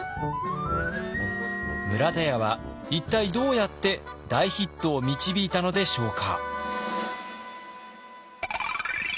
村田屋は一体どうやって大ヒットを導いたのでしょうか。